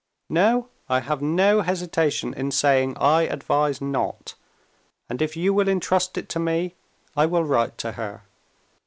No, I have no hesitation in saying I advise not, and if you will intrust it to me, I will write to her."